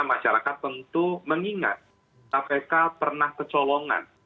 masyarakat tentu mengingat kpk pernah kecolongan